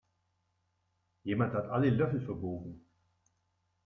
Jemand hat alle Löffel verbogen.